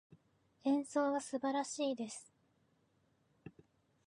演奏は素晴らしいです。